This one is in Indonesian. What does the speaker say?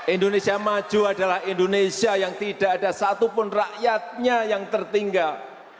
indonesia maju adalah indonesia yang tidak ada satupun rakyatnya yang tertinggal